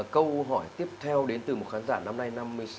câu hỏi tiếp theo đến từ một khán giả năm nay năm mươi sáu